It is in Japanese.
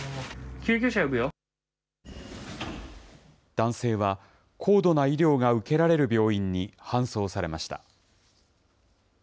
男性は、高度な医療が受けられる病院に搬送されました。